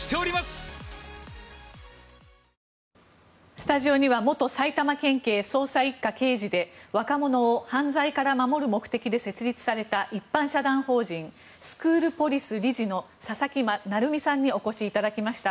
スタジオには元埼玉県警捜査１課刑事で若者を犯罪から守る目的で設立された一般社団法人スクールポリス理事の佐々木成三さんにお越しいただきました。